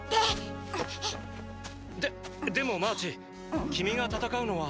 ででもマーチ君が戦うのは。